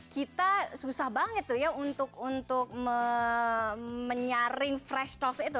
kita susah banget tuh ya untuk menyaring fresh talks itu